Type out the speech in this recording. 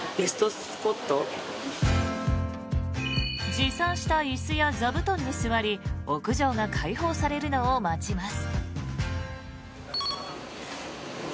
持参した椅子や座布団に座り屋上が開放されるのを待ちます。